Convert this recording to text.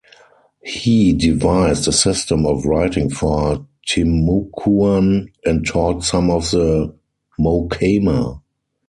He devised a system of writing for Timucuan and taught some of the Mocama.